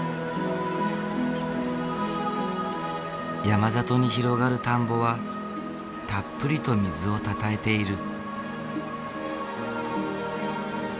山里に広がる田んぼはたっぷりと水をたたえている。